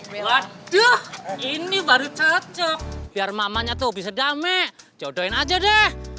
bilang deh ini baru cocok biar mamanya tuh bisa damai jodohin aja deh